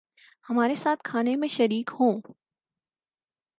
ہمارے ساتھ کھانے میں شریک ہوں